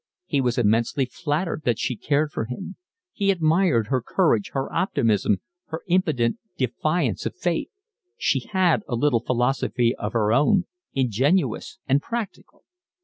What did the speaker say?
He was immensely flattered that she cared for him. He admired her courage, her optimism, her impudent defiance of fate; she had a little philosophy of her own, ingenuous and practical.